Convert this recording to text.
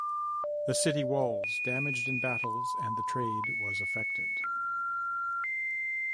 The city walls damaged in battles and the trade was affected.